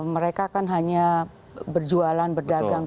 mereka kan hanya berjualan berdagang